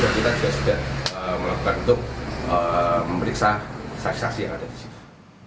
dan kita juga sudah melakukan untuk memeriksa saksi saksi yang ada di situ